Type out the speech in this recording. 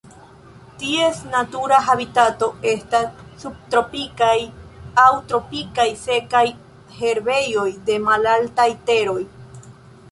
Ties natura habitato estas subtropikaj aŭ tropikaj sekaj herbejoj de malaltaj teroj.